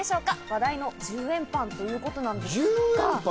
話題の１０円パンということなんですが。